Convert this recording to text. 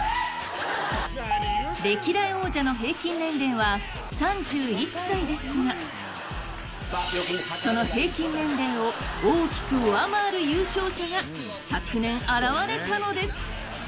歴代王者の平均年齢は３１歳ですがその平均年齢を大きく上回る優勝者が昨年、現れたのです！